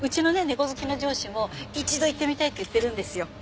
猫好きの上司も一度行ってみたいって言ってるんですよ。